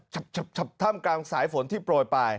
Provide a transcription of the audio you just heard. จับจับจับทำกลางสายฝนที่โปรดไป